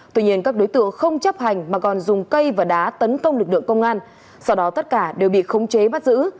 tuy nhiên các đối tượng không chấp hành mà còn dùng cây và đá tấn công lực lượng công an sau đó tất cả đều bị khống chế bắt giữ